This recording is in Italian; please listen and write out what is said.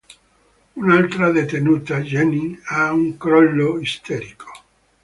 Un'altra detenuta, Jeanine, ha un crollo isterico.